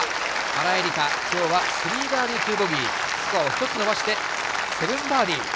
原英莉花、きょうは３バーディー２ボギー、スコアを１つ伸ばして、７バーディー。